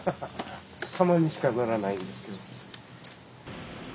たまにしか乗らないんですけど。